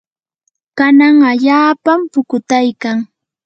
kanan allaapam pukutaykan.